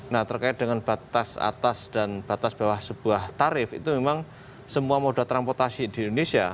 nah terkait dengan batas atas dan batas bawah sebuah tarif itu memang semua moda transportasi di indonesia